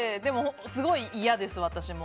すごい嫌です、私も。